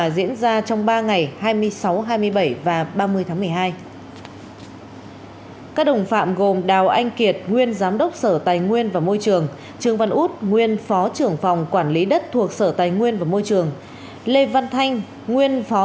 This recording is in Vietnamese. xin chào và hẹn gặp lại trong các bản tin tiếp theo